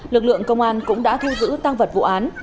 lực lượng công an cũng đã thu giữ tăng vật vụ án